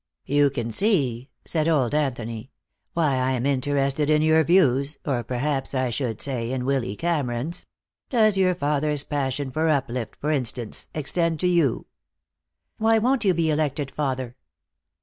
"You can see," said old Anthony, "why I am interested in your views, or perhaps I should say, in Willy Cameron's. Does your father's passion for uplift, for instance, extend to you?" "Why won't you be elected, father?"